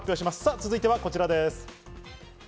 続いてこちらです。